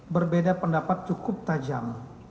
berbeda pendapat cukup tajam